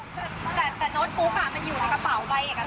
แต่โน้ตบุ๊กอ่ะมันอยู่ในกระเป๋าใบเอกสารนะครับ